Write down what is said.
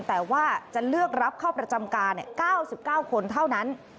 แต่ว่าจะเลือกรับเข้าประจำการ๙๙คนเท่านั้น